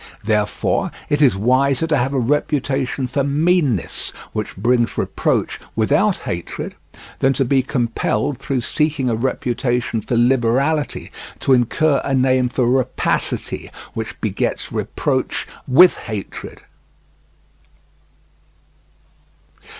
Therefore it is wiser to have a reputation for meanness which brings reproach without hatred, than to be compelled through seeking a reputation for liberality to incur a name for rapacity which begets reproach with hatred.